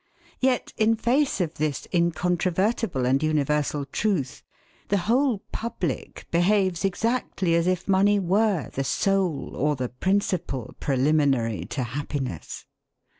Yet, in face of this incontrovertible and universal truth, the whole public behaves exactly as if money were the sole or the principal preliminary to happiness.